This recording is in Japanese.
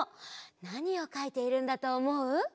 なにをかいているんだとおもう？